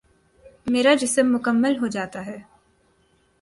میرا جسم مکمل ہو جاتا ہے ۔